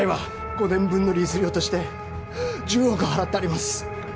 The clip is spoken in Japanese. ５年分のリース料として１０億払ってあります